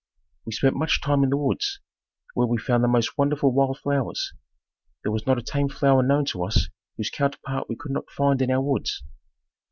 We spent much time in the woods, where we found the most wonderful wild flowers. There was not a tame flower known to us whose counterpart we could not find in our woods.